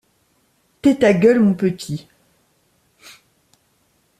Tais ta gueule, mon petit!